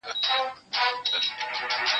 زه مخکي تکړښت کړی و،